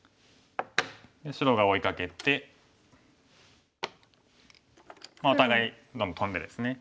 で白が追いかけてお互いどんどんトンでですね。